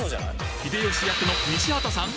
秀吉役の西畑さん！